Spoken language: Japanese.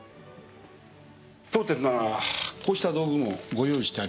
当店ならこうした道具もご用意してありますし。